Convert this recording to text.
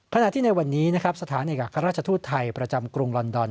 ขณะที่ในวันนี้นะครับสถานกับข้าราชทู้ไทยณกรุงลอนดอน